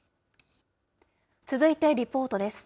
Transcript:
続いてリポートです。